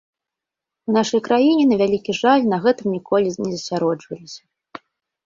У нашай краіне, на вялікі жаль, на гэтым ніколі засяроджваліся.